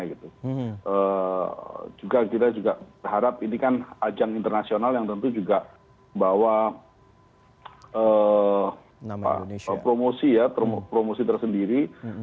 kita juga berharap ini kan ajang internasional yang tentu juga membawa promosi ya promosi tersendiri